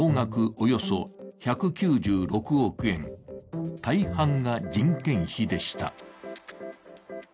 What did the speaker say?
およそ１９６億円大半が人件費でした。